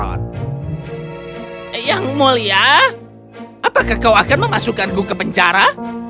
yang mulia apakah kau akan memasukkanku ke penjara